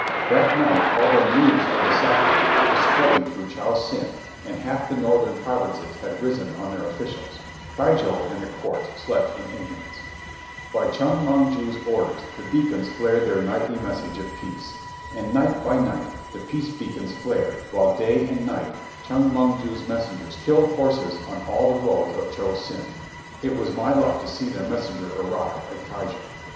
That night, although news of the sacrilege was spreading through Cho Sen and half the northern provinces had risen on their officials, Keijo and the Court slept in ignorance. By Chong Mong ju's orders the beacons flared their nightly message of peace. And night by night the peace beacons flared, while day and night Chong Mong ju's messengers killed horses on all the roads of Cho Sen. It was my luck to see his messenger arrive at Keijo.